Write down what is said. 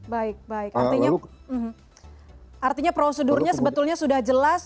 baik baik artinya prosedurnya sebetulnya sudah jelas